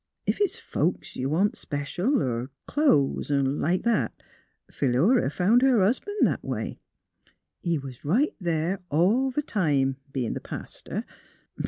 Ef it's folks you want special, er clo'es 'n' like that. Philura found her husban' that way; he was right there all the time, being th' pastor.